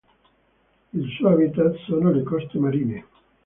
Il suo habitat sono le coste marine.